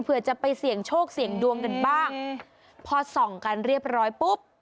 เพื่อจะไปเสี่ยงโชคเสี่ยงดวงกันบ้างพอส่องกันเรียบร้อยปุ๊บ